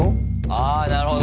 あなるほど。